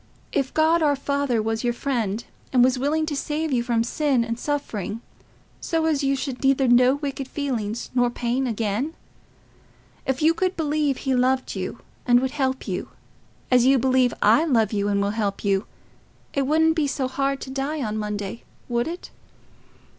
If God our Father was your friend, and was willing to save you from sin and suffering, so as you should neither know wicked feelings nor pain again? If you could believe he loved you and would help you, as you believe I love you and will help you, it wouldn't be so hard to die on Monday, would it?"